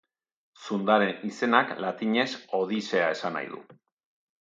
Zundaren izenak latinez Odisea esan nahi du.